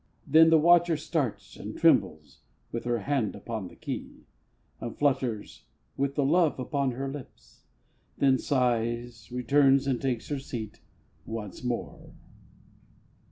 Then the watcher starts, And trembles, with her hand upon the key, And flutters, with the love upon her lips; Then sighs, returns, and takes her seat once more.